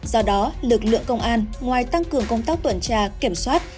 do đó lực lượng công an ngoài tăng cường công tác tuần tra kiểm soát